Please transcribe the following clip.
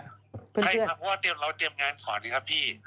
ใช่ครับเพราะว่าเราเตรียมงานก่อนนะครับพี่